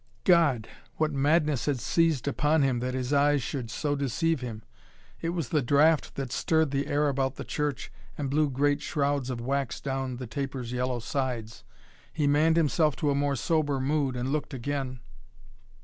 God! What madness had seized upon him, that his eyes should so deceive him! It was the draught that stirred the air about the church, and blew great shrouds of wax down the taper's yellow sides. He manned himself to a more sober mood and looked again.